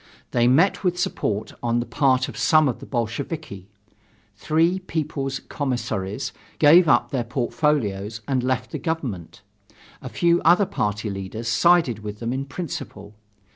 They met with support on the part of some of the Bolsheviki. Three People's Commissaries gave up their portfolios and left the government. A few other party leaders sided with them in principle.